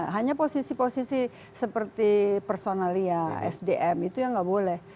hanya posisi posisi seperti personalia sdm itu yang nggak boleh